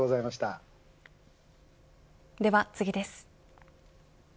では次です。